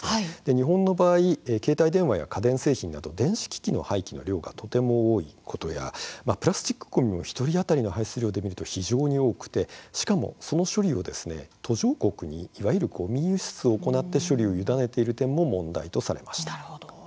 日本の場合、携帯電話や家電製品など電子機器の廃棄の量がとても多いことやプラスチックごみも１人当たりの排出量が非常に多くてその処理を途上国にいわゆるごみ輸出を行って処理を委ねている点も問題とされました。